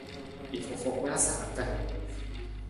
I fofo kpaa sarata.